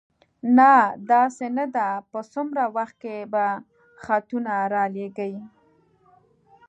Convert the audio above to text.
نه، داسې نه ده، په څومره وخت کې به خطونه را لېږې؟